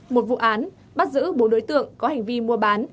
một vụ án bắt giữ bốn đối tượng có hành vi mua bán